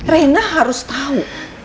rena harus tahu